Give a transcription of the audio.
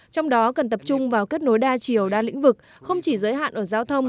trong đó cần tập trung vào kết nối đa chiều đa lĩnh vực không chỉ giới hạn ở giao thông